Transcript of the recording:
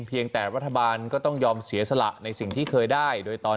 เพียงแต่รัฐบาลก็ต้องยอมเสียสละในสิ่งที่เคยได้โดยตอน